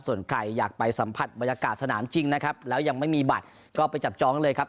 ส่วนใครอยากไปสัมผัสบรรยากาศสนามจริงนะครับแล้วยังไม่มีบัตรก็ไปจับจ้องเลยครับ